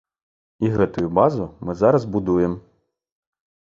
І гэтую базу мы зараз будуем.